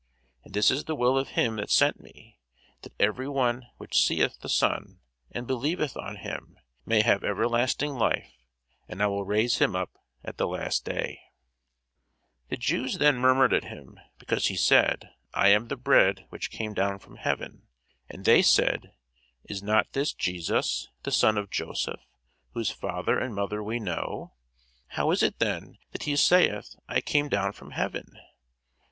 And this is the will of him that sent me, that every one which seeth the Son, and believeth on him, may have everlasting life: and I will raise him up at the last day. [Sidenote: St. John 6] The Jews then murmured at him, because he said, I am the bread which came down from heaven. And they said, Is not this Jesus, the son of Joseph, whose father and mother we know? how is it then that he saith, I came down from heaven?